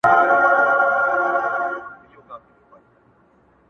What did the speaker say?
• لـه ژړا دي خداى را وساته جانـانـه؛